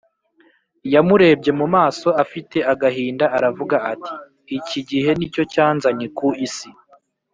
yamurebye mu maso afite agahinda, aravuga ati, iki gihe ni cyo cyanzanye ku isi